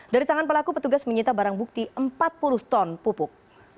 dari tangan pelaku petugas menyita barang bukti empat puluh ton pupuk